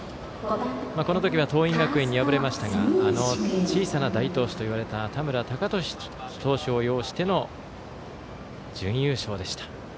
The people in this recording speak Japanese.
この時は桐蔭学院に敗れましたがあの小さな大投手といわれたたむらたかとし投手を擁しての準優勝でした。